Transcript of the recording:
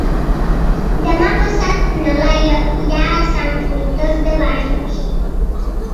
Demà passat na Laia irà a Sant Fruitós de Bages.